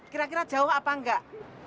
kira kira jauh apa enggak